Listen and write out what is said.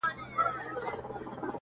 o خپل په خپلو درنېږي!